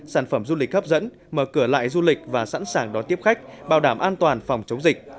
sản phẩm du lịch hấp dẫn mở cửa lại du lịch và sẵn sàng đón tiếp khách bảo đảm an toàn phòng chống dịch